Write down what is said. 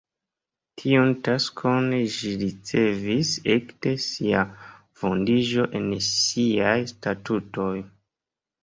Tiun taskon ĝi ricevis ekde sia fondiĝo en siaj statutoj.